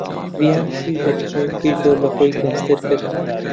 ڤیان شووی بە پیاوێکی زۆر لە خۆی گەنجتر کرد.